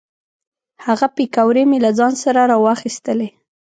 هغه پیکورې مې له ځان سره را واخیستلې.